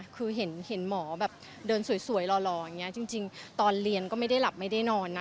คือเห็นเห็นหมอแบบเดินสวยสวยหล่อหล่ออย่างเงี้ยจริงจริงตอนเรียนก็ไม่ได้หลับไม่ได้นอนน่ะ